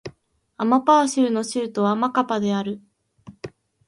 アマパー州の州都はマカパである